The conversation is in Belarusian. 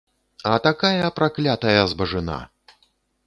А такая праклятая збажына!